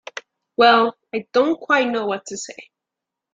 Well—I don't quite know what to say.